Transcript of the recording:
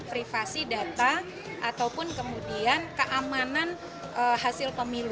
privasi data ataupun kemudian keamanan hasil pemilu